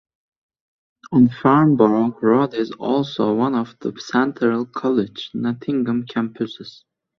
On Farnborough Road is also one of the Central College Nottingham campuses.